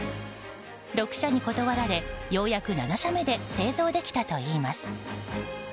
６社に断られ、ようやく７社目で製造できたといいます。